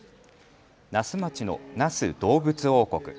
那須町の那須どうぶつ王国。